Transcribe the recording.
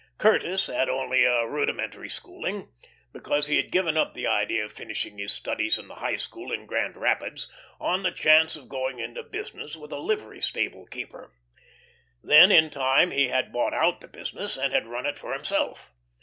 Curtis had only a rudimentary schooling, because he had given up the idea of finishing his studies in the High School in Grand Rapids, on the chance of going into business with a livery stable keeper. Then in time he had bought out the business and had run it for himself.